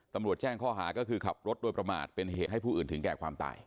ตำรวจแจ้งข้อหาก็คือขับรถโดยประมาทเป็นเหตุให้ผู้อื่นถึงแก่ความตาย